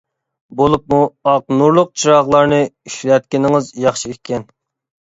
بولۇپمۇ ئاق نۇرلۇق چىراغلارنى ئىشلەتكىنىڭىز ياخشى ئىكەن.